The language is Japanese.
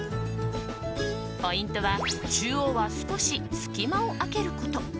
ポイントは中央は少し隙間を開けること。